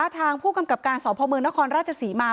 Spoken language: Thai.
ทางผู้กำกับการสพเมืองนครราชศรีมา